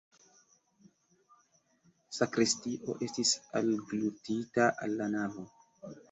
Sakristio estis alglutita al la navo.